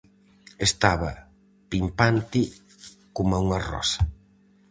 Estaba pimpante coma unha rosa.